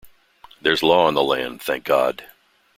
There’s law in the land, thank God!